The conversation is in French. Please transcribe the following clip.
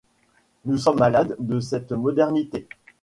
Nous sommes malades de cette modernité.